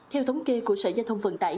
theo thống kê của sở gia thông vận tải